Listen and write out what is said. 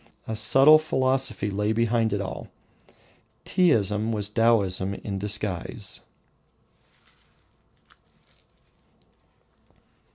A subtle philosophy lay behind it all. Teaism was Taoism in disguise.